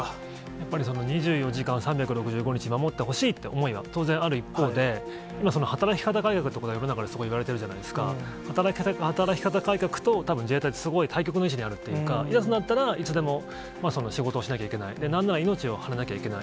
やっぱり２４時間、３６５日守ってほしいという思いは当然ある一方で、今、働き方改革とかが世の中で、すごい言われてるじゃないですか、働き方改革とたぶん自衛隊って、すごい対極の位置にあるっていうか、いざとなったらいつでも仕事をしなきゃいけない、なんなら命を張らなきゃいけない。